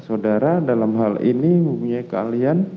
saudara dalam hal ini mempunyai keahlian